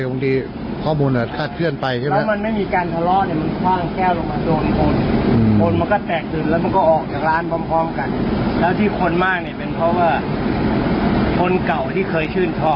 คงดีข้อมูลน่ะถ้าเคลื่อนไปใช่ไหมแล้วมันไม่มีการทะเลาะเนี้ย